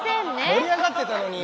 盛り上がってたのに今。